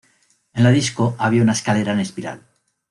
En la disco había una escalera en espiral.